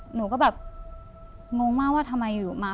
หนูก็แบบงงมากว่าทำไมอยู่มา